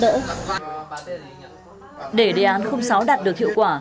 để đề án sáu đạt được thiết kế đồng nghiệp vẫn luôn sẵn sàng sẵn sàng nhận nhiệm vụ